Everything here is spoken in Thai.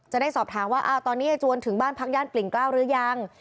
จะได้สอบถามว่าตอนนี้ยายจวนถึงบ้านพักย่านปลิ่นกล้าวหรือยัง